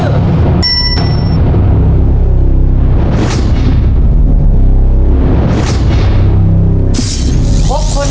ชุดที่๔ห้อชุดที่๔